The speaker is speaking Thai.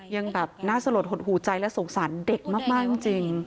ยังแบบน่าสลดหดหูใจและสงสารเด็กมากจริง